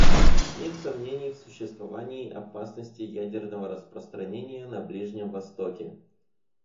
Нет сомнений в существовании опасности ядерного распространения на Ближнем Востоке.